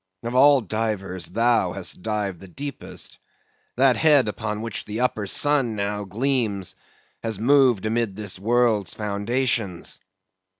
Of all divers, thou hast dived the deepest. That head upon which the upper sun now gleams, has moved amid this world's foundations.